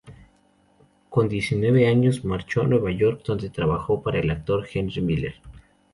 Con diecinueve años marchó a Nueva York donde trabajó para el actor Henry Miller.